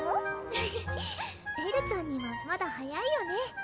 フフエルちゃんにはまだ早いよね